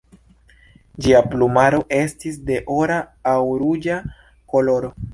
Ĝia plumaro estis de ora aŭ ruĝa koloro.